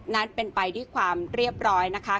นั้นเป็นไปด้วยความเรียบร้อยนะคะ